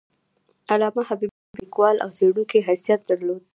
علامه حبیبي د استاد، لیکوال او څیړونکي حیثیت درلود.